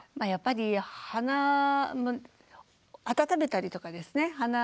やっぱり鼻を温めたりとかですね。